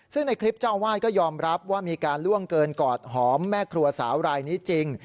ซึ่งในคลิปเจ้าอาวาสก็ยอมรับว่ามีการล่วงเกินกอดหอมแม่ครัวสาวรายนี้จริง